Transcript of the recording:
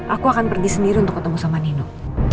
aku akan pergi sendiri untuk ketemu sama nino